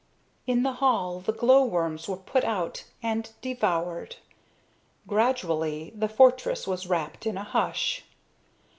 In the hall the glow worms were put out and devoured. Gradually the fortress was wrapped in a hush.